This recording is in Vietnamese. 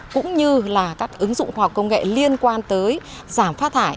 cũng như là các ứng dụng hoặc công nghệ liên quan tới giảm phát thải